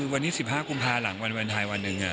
วันนี้๑๕กุมภาพันธุ์หลังวันวันไทยวันหนึ่ง